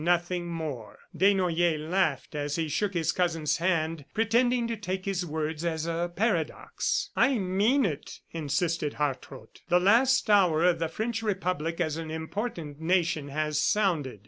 ... Nothing more." Desnoyers laughed as he shook his cousin's hand, pretending to take his words as a paradox. "I mean it," insisted Hartrott. "The last hour of the French Republic as an important nation has sounded.